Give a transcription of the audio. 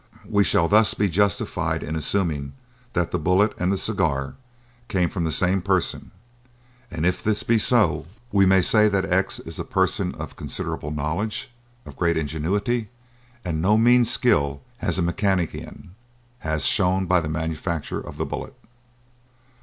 We shall thus be justified in assuming that the bullet and the cigar came from the same person; and, if this be so, we may say that X is a person of considerable knowledge, of great ingenuity and no mean skill as a mechanician as shown by the manufacture of the bullet.